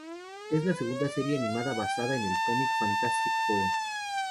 Es la segunda serie animada basada en el cómic "Fantastic Four".